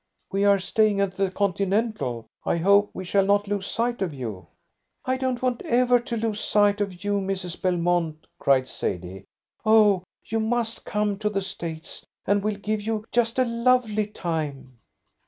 "We are staying at the Continental. I hope we shall not lose sight of you." "I don't want ever to lose sight of you, Mrs. Belmont," cried Sadie. "Oh, you must come to the States, and we'll give you just a lovely time."